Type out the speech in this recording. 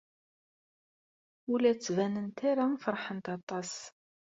Ur la d-ttbanent ara feṛhent aṭas.